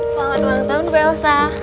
selamat ulang tahun bu elsa